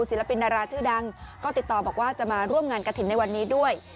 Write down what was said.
ศิลปินดาราชื่อดังก็ติดต่อบอกว่าจะมาร่วมงานกระถิ่นในวันนี้ด้วย